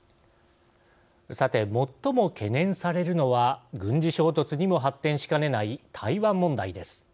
さて最も懸念されるのは軍事衝突にも発展しかねない台湾問題です。